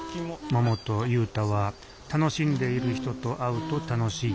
ももと雄太は楽しんでいる人と会うと楽しい。